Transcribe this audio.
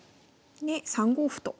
で３五歩と。